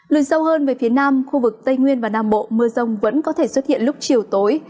lùi sâu hơn về phía nam khu vực tây nguyên và nam bộ mưa rông vẫn có thể xuất hiện lúc chiều tối